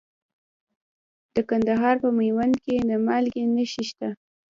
د کندهار په میوند کې د مالګې نښې شته.